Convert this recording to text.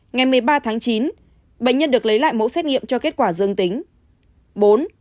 ngày một mươi ba tháng chín bệnh nhân được lấy lại mẫu xét nghiệm cho kết quả dương tính